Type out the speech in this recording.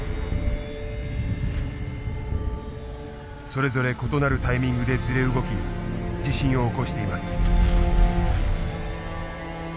それぞれ異なるタイミングでずれ動き地震を起こしています。